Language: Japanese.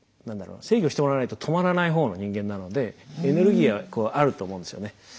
制御してもらわないと止まらない方の人間なのでエネルギーはこうあると思うんですよね。